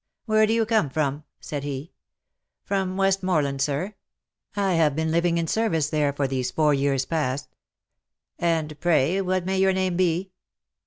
" Where do you come from ?" said he. " From Westmorland, sir. I have been living in service there for these four years past." " And pray what may your name be